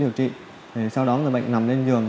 điều trị sau đó người bệnh nằm lên giường